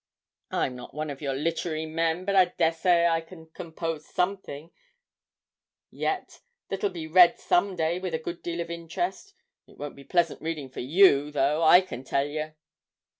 I'm not one of your littery men, but I dessey I can compose something yet that'll be read some day with a good deal of interest; it won't be pleasant reading for you, though, I can tell yer!'